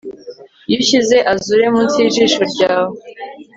Iyo ushyize azure munsi yijisho ryawe